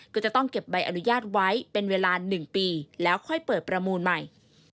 ก็จะต้องเก็บใบอนุญาตไว้เป็นเวลา๑ปีแล้วค่อยเปิดประมูลใหม่